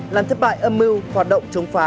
làm thất bại âm mưu hoạt động chống phá